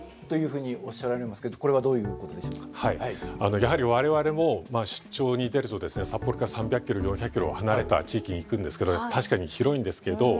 やはり我々も出張に出るとですね札幌から３００キロ４００キロ離れた地域に行くんですけど確かに広いんですけど。